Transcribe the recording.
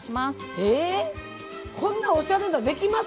えぇこんなおしゃれなんできます？